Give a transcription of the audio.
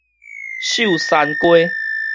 秀山街